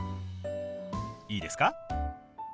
いいですか？